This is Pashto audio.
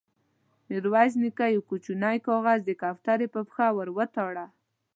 ميرويس نيکه يو کوچينۍ کاغذ د کوترې پر پښه ور وتاړه.